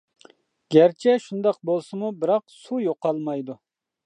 گەرچە شۇنداق بولسىمۇ، بىراق، سۇ يوقالمايدۇ.